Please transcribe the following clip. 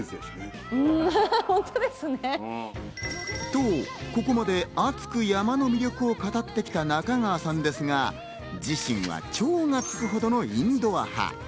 と、ここまで熱く山の魅力を語ってきた中川さんですが、自身は超がつくほどのインドア派。